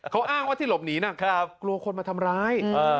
เขาอ้างว่าที่หลบหนีน่ะกลัวคนมาทำร้าย